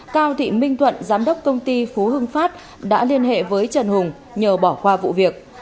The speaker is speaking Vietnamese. cao thị minh thuận giám đốc công ty phú hưng phát đã liên hệ với trần hùng nhờ bỏ qua vụ việc